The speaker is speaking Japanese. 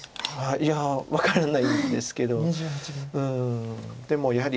いや分からないですけどうんでもやはり。